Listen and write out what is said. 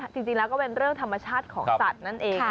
จริงแล้วก็เป็นเรื่องธรรมชาติของสัตว์นั่นเอง